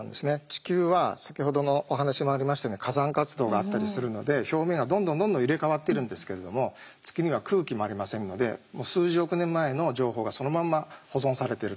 地球は先ほどのお話もありましたように火山活動があったりするので表面がどんどんどんどん入れ替わってるんですけれども月には空気もありませんので数十億年前の情報がそのまんま保存されてるということになります。